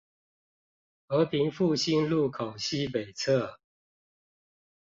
和平復興路口西北側